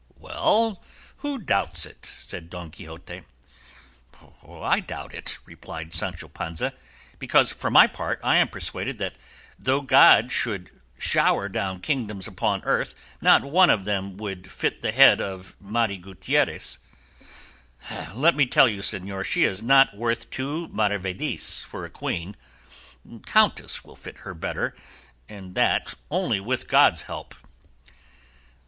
"Well, who doubts it?" said Don Quixote. "I doubt it," replied Sancho Panza, "because for my part I am persuaded that though God should shower down kingdoms upon earth, not one of them would fit the head of Mari Gutierrez. Let me tell you, señor, she is not worth two maravedis for a queen; countess will fit her better, and that only with God's help."